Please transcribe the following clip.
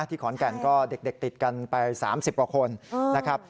ขอนแก่นก็เด็กติดกันไป๓๐กว่าคนนะครับ